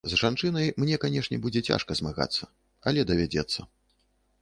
З жанчынай мне, канешне, будзе цяжка змагацца, але давядзецца.